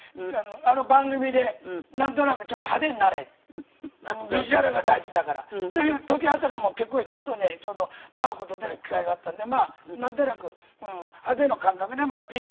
あの番組でなんとなくちょっと派手になれビジュアルが大事だからという時あたかも結婚したあとにねちょうどパー子と出る機会があったんでまあなんとなく派手の感覚でピンク着るようになったの。